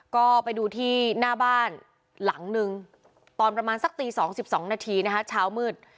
ก็ไปดูที่หน้าบ้านหลังนึงตอนประมาณสักตี๒๒นาทีนะคะเช้ามืด